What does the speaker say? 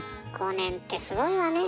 ５年ってすごいわね。